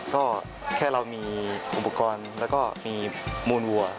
ก็แค่เรามีอุปกรณ์แล้วก็มีมูลวัว